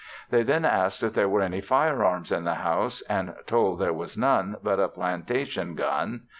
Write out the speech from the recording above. They then asked if there were any fire arms in the house, and told there was none but a plantation gun.